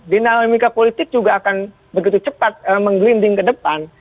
dinamika politik juga akan begitu cepat menggelinding ke depan